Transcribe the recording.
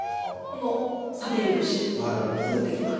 この漆塗っていきます。